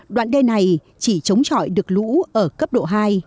đoạn đê này chỉ chống trọi được lũ ở cấp độ hai